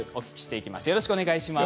よろしくお願いします。